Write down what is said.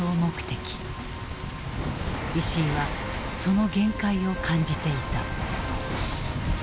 石井はその限界を感じていた。